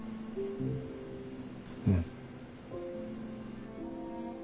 うん。